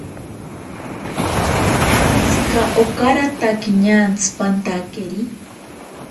Tsika okaratake ñantsi pantakeri.